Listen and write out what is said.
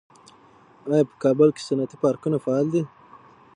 آیا په کابل کې صنعتي پارکونه فعال دي؟